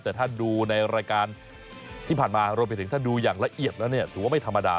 แต่ถ้าดูในรายการที่ผ่านมารวมไปถึงถ้าดูอย่างละเอียดแล้วเนี่ยถือว่าไม่ธรรมดา